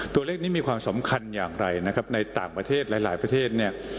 ตัวเลขนี้มีความสำคัญอย่างไรนะครับในต่างประเทศหลายหลายประเทศเนี่ย